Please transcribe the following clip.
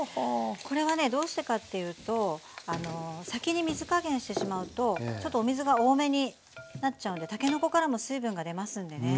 これはねどうしてかっていうと先に水加減してしまうとちょっとお水が多めになっちゃうんでたけのこからも水分が出ますんでね